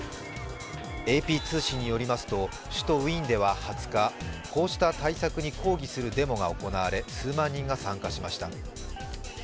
ＡＰ通信によりますと、首都ウイーンでは２０日、こうした対策に抗議するデモが行われ、数万人が参加しました。